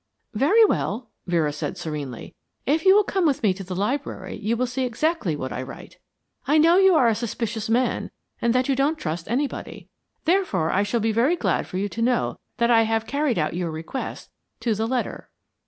"Very well," Vera said serenely. "If you will come with me to the library you will see exactly what I write. I know you are a suspicious man and that you don't trust anybody, therefore I shall be very glad for you to know that I have carried out your request to the letter."